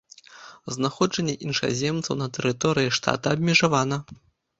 Знаходжанне іншаземцаў на тэрыторыі штата абмежавана.